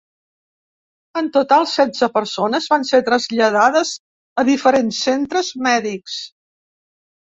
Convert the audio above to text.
En total, setze persones van ser traslladades a diferents centres mèdics.